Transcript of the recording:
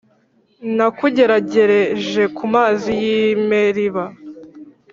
Nakugeragereje ku mazi y ‘i Meriba .